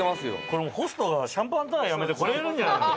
これもうホストがシャンパンタワーやめてこれやるんじゃないの？